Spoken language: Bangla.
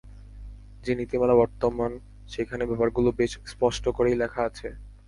যে নীতিমালা বর্তমান সেখানে ব্যাপারগুলো বেশ স্পষ্ট করেই লেখা আছে।